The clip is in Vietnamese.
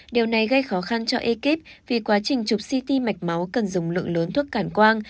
điều này gây khó khăn cho ekip vì quá trình chụp ct mạch máu cần dùng lượng lớn thuốc cản quang